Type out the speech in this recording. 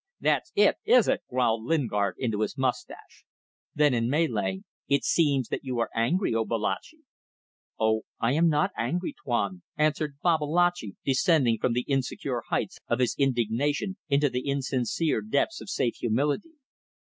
"That's it, is it?" growled Lingard in his moustache. Then in Malay, "It seems that you are angry, O Babalatchi!" "No; I am not angry, Tuan," answered Babalatchi, descending from the insecure heights of his indignation into the insincere depths of safe humility.